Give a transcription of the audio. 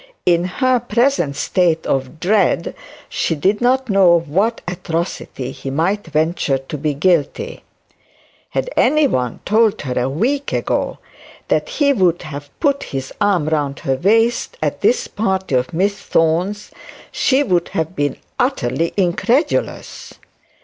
In her present state of dread she did not know of what atrocity he might venture to be guilty. Had any one told her a week ago that he would have put his arm around her waist at the party of Miss Thorne's she would have been utterly incredulous.